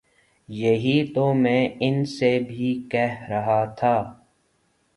یہی تو میں ان سے بھی کہہ رہا تھا